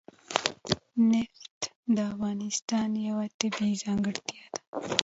نفت د افغانستان یوه طبیعي ځانګړتیا ده.